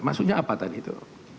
maksudnya apa tadi itu